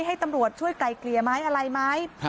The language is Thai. ให้ตำรวจช่วยไกล่เกลียดมั้ยอะไรมั้ย